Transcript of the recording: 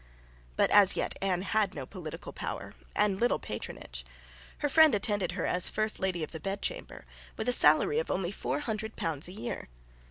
But as yet Anne had no political power and little patronage. Her friend attended her as first Lady of the Bedchamber, with a salary of only four hundred pounds a year.